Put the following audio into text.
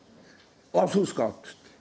「あっそうですか」っつって。